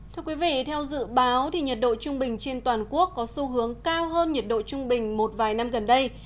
thưa quý vị theo dự báo nhiệt độ trung bình trên toàn quốc có xu hướng cao hơn nhiệt độ trung bình một vài năm gần đây